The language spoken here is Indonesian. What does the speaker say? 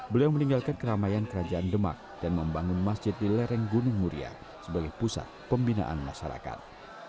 beliau meninggalkan keramaian kerajaan demak dan membangun masjid di lereng gunung muria sebagai pusat pembinaan masyarakat